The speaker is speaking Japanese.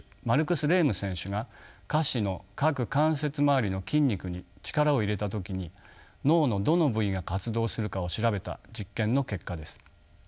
マルクス・レーム選手が下肢の各関節周りの筋肉に力を入れた時に脳のどの部位が活動するかを調べた実験の結果です。